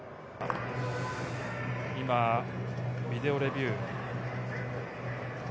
今、ビデオレビュー。